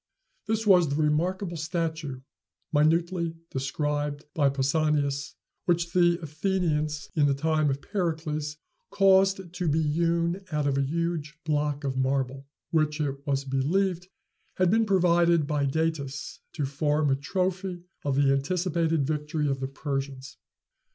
This was the remarkable statue minutely described by Pausanias which the Athenians, in the time of Pericles, caused to be hewn out of a huge block of marble, which, it was believed, had been provided by Datis, to form a trophy of the anticipated victory of the Persians.